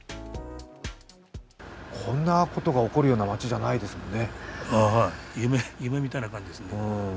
こんなことが起こるような町じゃないですもんね。